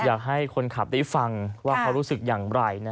อยากให้คนขับได้ฟังว่าเขารู้สึกอย่างไร